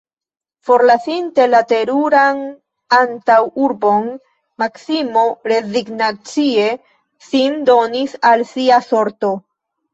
Forlasinte la teruran antaŭurbon, Maksimo rezignacie sin donis al sia sorto.